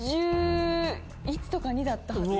１１とか１２だったはず。